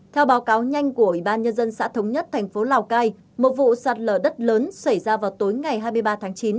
theo báo cáo nhanh của ủy ban nhân dân xã thống nhất thành phố lào cai một vụ sạt lở đất lớn xảy ra vào tối ngày hai mươi ba tháng chín